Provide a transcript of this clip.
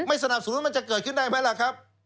สนับสนุนมันจะเกิดขึ้นได้ไหมล่ะครับ